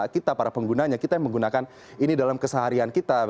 kita para penggunanya kita yang menggunakan ini dalam keseharian kita